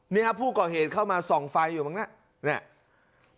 เนี้ยฮะผู้ก่อเหตุเข้ามาส่องไฟอยู่บ้างน่ะเนี้ย